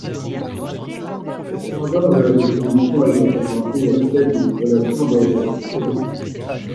Cependant, leur définition est apparentée à celle d'une relation d'ordre strict.